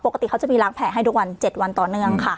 ๒๔โปรติเขาจะมีรักแผลให้มา๗วันต่อเนื่องค่ะ